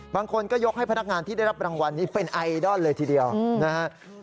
บางคนก็ยกให้พนักงานที่ได้รับรางวัลนี้เป็นไอดอลเลยทีเดียวนะครับ